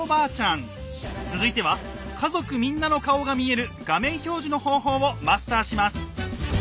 続いては家族みんなの顔が見える画面表示の方法をマスターします。